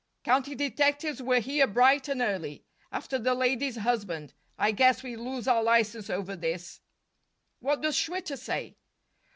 "County detectives were here bright and early. After the lady's husband. I guess we lose our license over this." "What does Schwitter say?"